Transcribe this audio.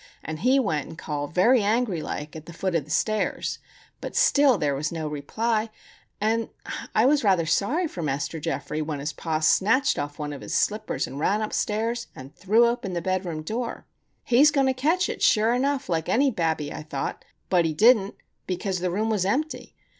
And he went and called very angry like at the foot of the stairs; but still there was no reply;—and I was rather sorry for Master Geoffrey when his pa snatched off one of his slippers and ran upstairs and threw open the bedroom door. "'He's going to catch it, sure enough, like any babby,' I thought; but he didn't, because the room was empty.